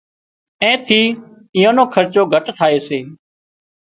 اين ٿي ايئان خرچو گهٽ ٿائي سي